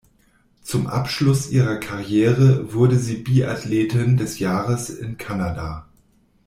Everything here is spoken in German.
Zum Abschluss ihrer Karriere wurde sie Biathletin des Jahres in Kanada.